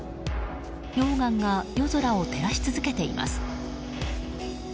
溶岩が夜空を照らし続けています。